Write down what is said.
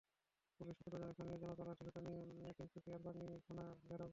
Police সূত্র জানায়, স্থানীয় জনতা লাঠিসোঁটা নিয়ে তিনসুকিয়ার পাঙ্গিরি থানা ঘেরাও করে।